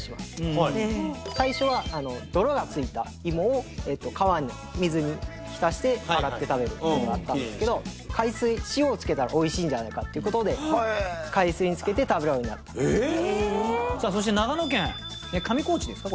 はい最初はあの泥がついたイモを川に水に浸してはいはいうんキレイにして洗って食べる海水塩をつけたらおいしいんじゃないかってことで海水につけて食べるようになったえさあそして長野県上高地ですか？